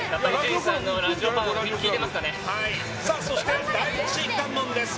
そして、第１関門です。